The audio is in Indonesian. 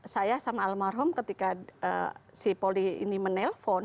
saya sama almarhum ketika si poli ini menelpon